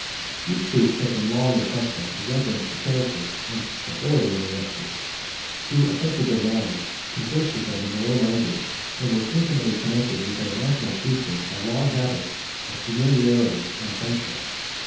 These troops had been long accustomed to reverence the character and authority of Orestes, who affected their manners, conversed with them in their own language, and was intimately connected with their national chieftains, by long habits of familiarity and friendship.